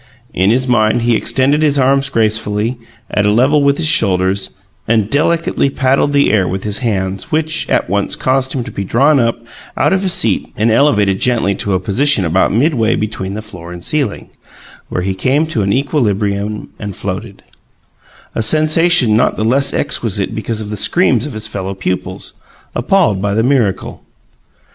In his mind he extended his arms gracefully, at a level with his shoulders, and delicately paddled the air with his hands, which at once caused him to be drawn up out of his seat and elevated gently to a position about midway between the floor and the ceiling, where he came to an equilibrium and floated; a sensation not the less exquisite because of the screams of his fellow pupils, appalled by the miracle.